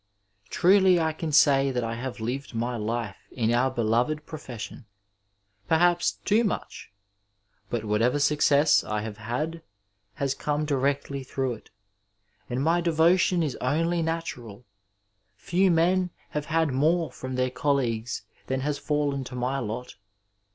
Truly I can say that I have lived my life in our beloved profession — ^perhaps too much ! but whatever success I have had has come directly through it, and my devotion is only natural. Few men have had more from their colleagues than has fallen to my lot.